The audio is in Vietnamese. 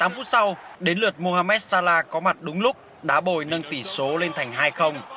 tám phút sau đến lượt mohamed salah có mặt đúng lúc đá bồi nâng tỷ số lên thành hai